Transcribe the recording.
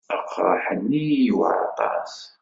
Aqraḥ-nni yewɛeṛ aṭas.